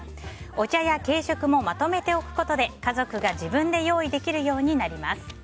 お茶や軽食もまとめておくことで家族が自分で用意できるようになります。